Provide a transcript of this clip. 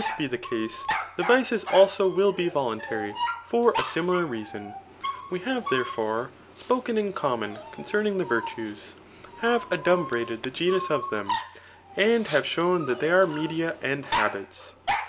be the case, the vices also will be i^taA tary,* foi: a similar reason.. Wo hare, therefiore, ^pokm isLConunon concealing* the virtue^ have adumbntfedr.thn ffnut of them, and have showa that they are media wtA faal&ts